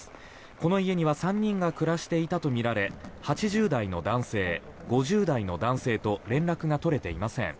この家には３人が暮らしていたとみられ８０代の男性、５０代の男性と連絡が取れていません。